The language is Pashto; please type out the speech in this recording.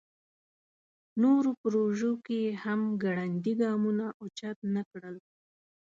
نورو پروژو کې یې هم ګړندي ګامونه اوچت نکړل.